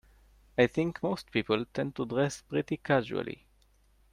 I think most people tend to dress pretty casually.